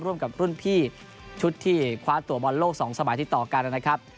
ร่วมกับรุ่นพี่ชุดที่คว้าตัวบอลโลก๒สมัยที่ต่อกันนะครับ